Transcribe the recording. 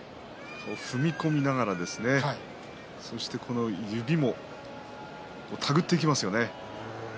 踏み込みながら、そして指も探っていきますよね。